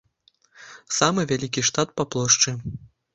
Самы вялікі штат па плошчы.